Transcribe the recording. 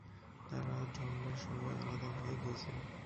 তারা জন্মের সময় আলাদা হয়ে গিয়েছিল।